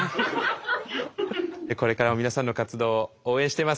これからも皆さんの活動を応援しています。